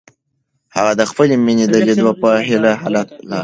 هغه د خپلې مینې د لیدو په هیله هلته لاړ.